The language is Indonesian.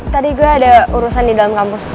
tadi gue ada urusan di dalam kampus